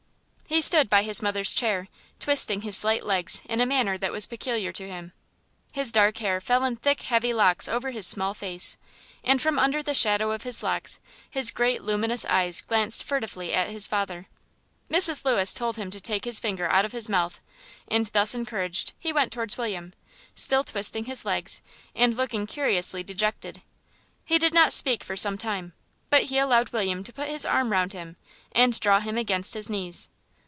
He stood by his mother's chair, twisting his slight legs in a manner that was peculiar to him. His dark hair fell in thick, heavy locks over his small face, and from under the shadow of his locks his great luminous eyes glanced furtively at his father. Mrs. Lewis told him to take his finger out of his mouth, and thus encouraged he went towards William, still twisting his legs and looking curiously dejected. He did not speak for some time, but he allowed William to put his arm round him and draw him against his knees.